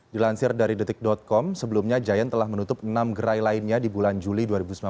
dilansir dari detik com sebelumnya giant telah menutup enam gerai lainnya di bulan juli dua ribu sembilan belas